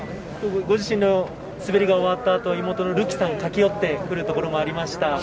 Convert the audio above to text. ご自身の滑りが終わった後、妹のるきさんが駆け寄ってくるところもありました。